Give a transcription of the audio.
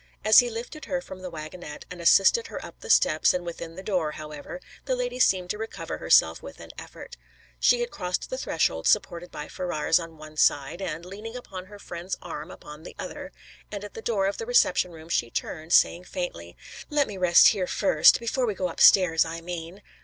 As he lifted her from the wagonette, and assisted her up the steps and within the door, however, the lady seemed to recover herself with an effort. She had crossed the threshold supported by Ferrars on the one side, and leaning upon her friend's arm upon the other, and at the door of the reception room she turned, saying faintly: "Let me rest here first. Before we go upstairs, I mean."